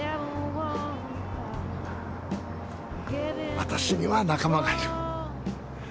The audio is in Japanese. わたしには仲間がいる。